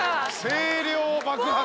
声量爆発。